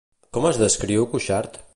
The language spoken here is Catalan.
Com es descriu Cuixart?